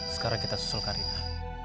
sekarang kita susul karina